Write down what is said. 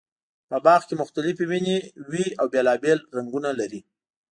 په باغ کې مختلفې ونې وي او بېلابېل رنګونه لري.